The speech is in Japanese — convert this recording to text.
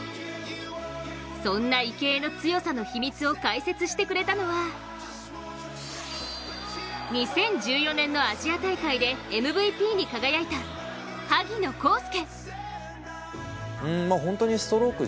そんな池江の強さの秘密を解説してくれたのは２０１４年のアジア大会でＭＶＰに輝いた萩野公介。